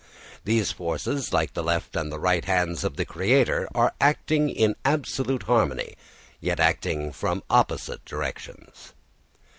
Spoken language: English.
These forces, like the left and the right hands of the creator, are acting in absolute harmony, yet acting from opposite directions.